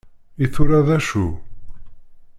I tura d acu?